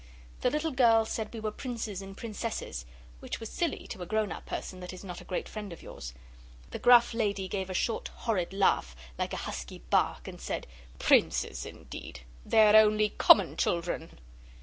The little girl said we were Princes and Princesses which was silly, to a grown up person that is not a great friend of yours. The gruff lady gave a short, horrid laugh, like a husky bark, and said 'Princes, indeed! They're only common children!